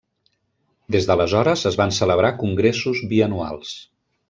Des d'aleshores es van celebrar congressos bianuals.